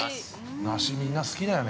◆ナシ、みんな好きだよね。